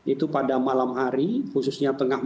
itu pada malam hari khususnya tengah malam